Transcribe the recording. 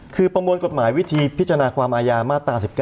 คือประมวลกฎหมายวิธีพิจารณาความอายามาตรา๑๙